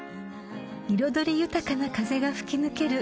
［彩り豊かな風が吹き抜ける